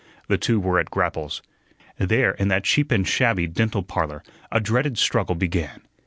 The two were at grapples. There in that cheap and shabby "Dental Parlor" a dreaded struggle began.